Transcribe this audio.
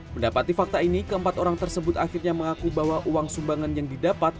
mendapati fakta ini keempat orang tersebut akhirnya mengaku bahwa uang sumbangan yang didapat